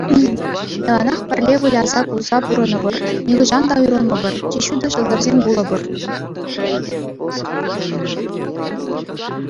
Яланах пӗрле выляса-кулса пурӑнӑпӑр, нихӑҫан та уйрӑлмӑпӑр, чи ҫутӑ ҫӑлтӑрсем пулӑпӑр.